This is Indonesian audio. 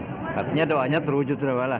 artinya doanya terwujud sudah apa lah